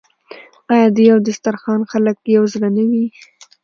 آیا د یو دسترخان خلک یو زړه نه وي؟